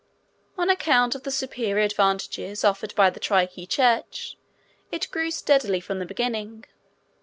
On account of the superior advantages offered by the Trique church it grew steadily from the beginning.